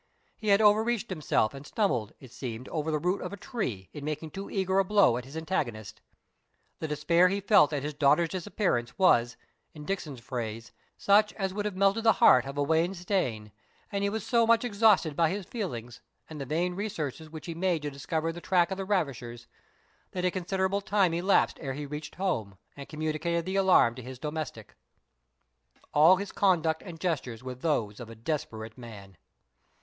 He had overreached himself, and stumbled, it seemed, over the root of a tree, in making too eager a blow at his antagonist. The despair he felt at his daughter's disappearance, was, in Dixon's phrase, such as would have melted the heart of a whin stane, and he was so much exhausted by his feelings, and the vain researches which he made to discover the track of the ravishers, that a considerable time elapsed ere he reached home, and communicated the alarm to his domestics. All his conduct and gestures were those of a desperate man.